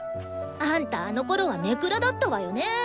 あんたあのころは根暗だったわよね。